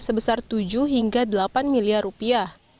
sebesar tujuh hingga delapan miliar rupiah